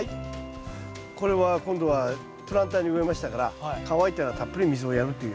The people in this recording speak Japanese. これは今度はプランターに植えましたから乾いたらたっぷり水をやるという。